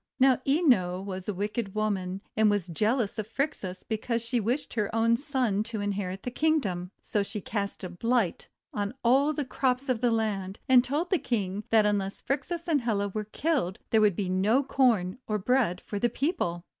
Now Ino was a wicked woman, and was jealous of Phrixus because she wished her own son to inherit the Kingdom. So she cast a blight on all the crops of the land, and told the King that unless Phrixus and Helle were killed there would be no Corn or bread for the people.